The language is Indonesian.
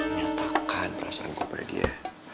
nyatakan perasaanku pada dia